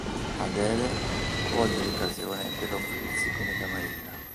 Adele coglie l'occasione per offrirsi come cameriera.